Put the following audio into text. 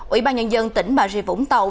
ủy ban nhân dân tỉnh bà rịa vũng tàu